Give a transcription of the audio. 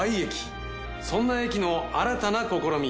そんな駅の新たな試み。